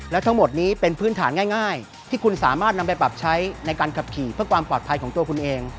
และทั้งหมดนี้เป็นพื้นฐานง่ายที่คุณสามารถนำไปปรับใช้ในการขับขี่เพื่อความปลอดภัยของตัวคุณเอง